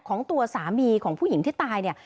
ของตัวสามีของผู้หญิงที่ตายเนี่ย